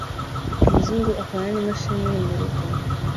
umuzungu akorana nimashini nini murugo